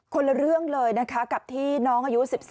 คนละเรื่องเลยนะคะกับที่น้องอายุ๑๓